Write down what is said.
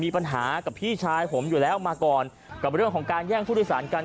มีปัญหากับพี่ชายผมอยู่แล้วมาก่อนกับเรื่องของการแย่งผู้โดยสารกัน